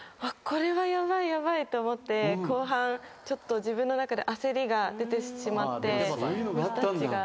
これはヤバいヤバいと思って後半ちょっと自分の中で焦りが出てしまってミスタッチが。